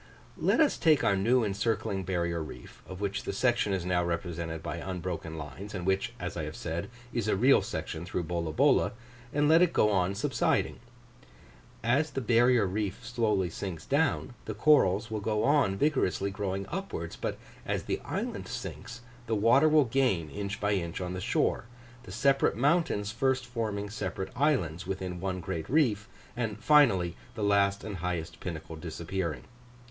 Let us take our new encircling barrier reef, of which the section is now represented by unbroken lines, and which, as I have said, is a real section through Bolabola, and let it go on subsiding. As the barrier reef slowly sinks down, the corals will go on vigorously growing upwards; but as the island sinks, the water will gain inch by inch on the shore the separate mountains first forming separate islands within [picture] one great reef and finally, the last and highest pinnacle disappearing.